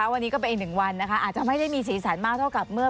อาจจะไม่ได้มีศีรษะมากเท่ากับเมื่อ